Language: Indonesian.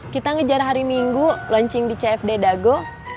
kita ngejar hari minggu launching di cfd dago